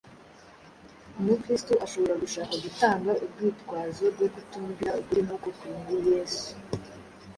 Umukristo ashobora gushaka gutanga urwitwazo rwo kutumvira ukuri nk’uko kuri muri Yesu;